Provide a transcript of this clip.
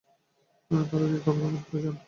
কারো কি খাবারের প্রয়োজন?